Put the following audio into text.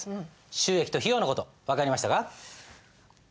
収益と費用の事分かりましたか？